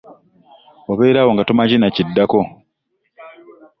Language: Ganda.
Obeera awo nga tomanyi na kiddako.